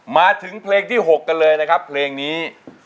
มาถึงเพลงที่๖กันเลยนะครับเพลงนี้